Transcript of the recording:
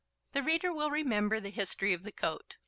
The reader will remember the history of the coat.